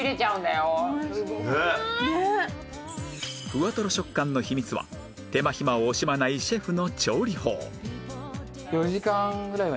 ふわトロ食感の秘密は手間暇を惜しまないシェフの調理法